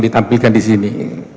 ditampilkan di sini